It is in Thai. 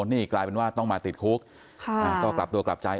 นี่กลายเป็นว่าต้องมาติดคุกก็กลับตัวกลับใจ